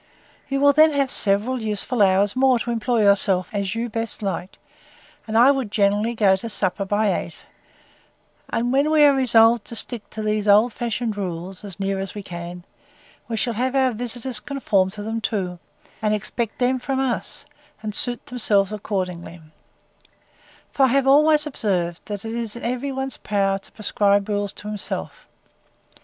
You will then have several useful hours more to employ yourself in, as you shall best like; and I would generally go to supper by eight; and when we are resolved to stick to these oldfashioned rules, as near as we can, we shall have our visitors conform to them too, and expect them from us, and suit themselves accordingly: For I have always observed, that it is in every one's power to prescribe rules to himself.